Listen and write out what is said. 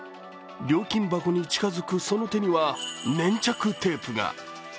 料金箱に近づくその手には粘着テープが。